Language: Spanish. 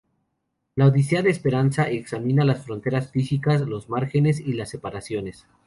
La odisea de Esperanza examina las fronteras físicas, los márgenes y las separaciones.